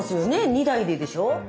２台ででしょう？